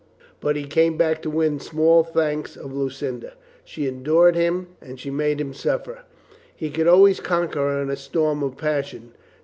But he came back to win small thanks of Lu cinda. She endured him and she made him suffer. He could always conquer her in a storm of passion.